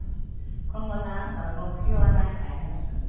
今後のあなたの目標は何かあります？